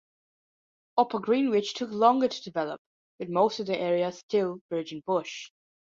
Upper Greenwich took longer to develop, with most of the area still virgin bush.